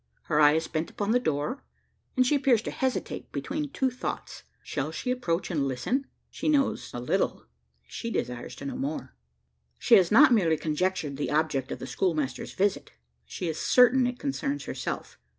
Her eye is bent upon the door; and she appears to hesitate between two thoughts. Shall she approach and listen? She knows a little she desires to know more. She has not merely conjectured the object of the schoolmaster's visit; she is certain it concerns herself.